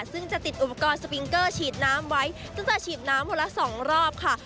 ซึ่งจะติดอุปกรณ์สปิงเกอร์ฉีดน้ำไว้ซึ่งจะฉีดน้ำคนละสองรอบค่ะ